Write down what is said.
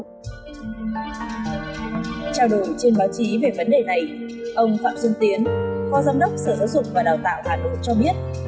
trao đổi trên báo chí về vấn đề này ông phạm xuân tiến phó giám đốc sở giáo dục và đào tạo hà nội cho biết